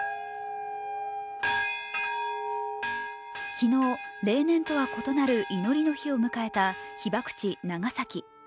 昨日、例年とは異なる祈りの日を迎えた被爆地・長崎。